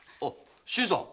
・新さん！